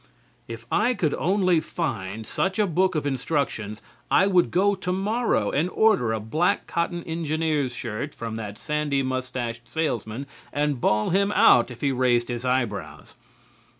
If I could only find such a book of instructions I would go tomorrow and order a black cotton engineer's shirt from that sandy mustached salesman and bawl him out if he raised his eyebrows.